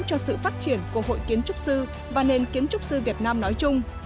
cho sự phát triển của hội kiến trúc sư và nền kiến trúc sư việt nam nói chung